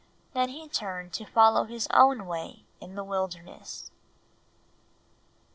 Then he turned to follow his own way in the wilderness.